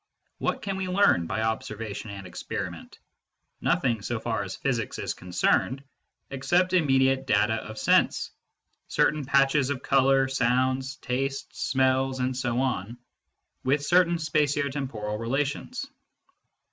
What can we learn by observation and experiment ? Nothing, so far as physics is concerned, except imme diate data of sense : certain patches of colour, sounds, tastes, smells, etc., with certain spatio temporal rela tions.